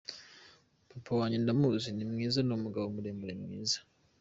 Papa wanjye ndamuzi, ni mwiza, ni umugabo muremure mwiza.